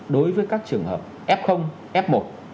đối với các trường hợp f f một